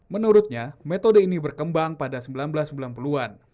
menurutnya metode ini berkembang pada seribu sembilan ratus sembilan puluh an